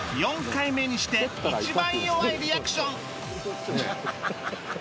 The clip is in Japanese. ４回目にして一番弱いリアクション